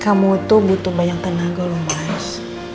kamu itu butuh banyak tenaga loh mas